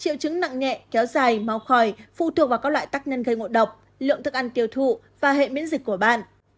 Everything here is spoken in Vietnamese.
triệu chứng nặng nhẹ kéo dài máu khỏi phụ thuộc vào các loại tác nhân gây ngộ độc lượng thức ăn tiêu thụ và hệ miễn dịch của bạn